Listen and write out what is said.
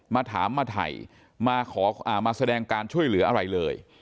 มาถามมาถ่ายมาขอมาแสดงการช่วยเหลืออะไรเลย